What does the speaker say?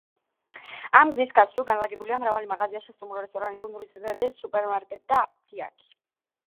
ამ გზის გასწვრივ განლაგებულია მრავალი მაღაზია, სასტუმრო, რესტორანი, კუნძულის ერთადერთი სუპერმარკეტი და აფთიაქი.